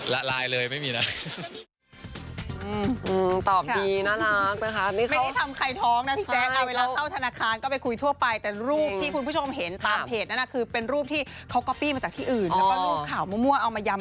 ละลายเลยไม่มีนะ